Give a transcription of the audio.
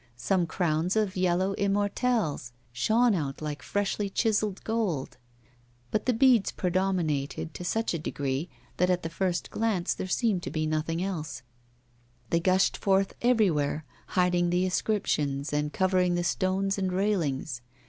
Some crowns of yellow immortelles shone out like freshly chiselled gold. But the beads predominated to such a degree that at the first glance there seemed to be nothing else; they gushed forth everywhere, hiding the inscriptions and covering the stones and railings.